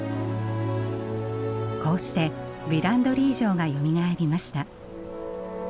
こうしてヴィランドリー城がよみがえりました。